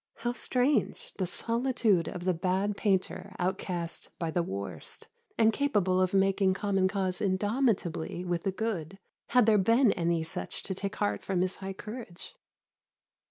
How strange, the solitude of the bad painter outcast by the worst, and capable of making common cause indomitably with the good, had there been any such to take heart from his high courage!